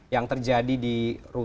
yang terjadi di rutan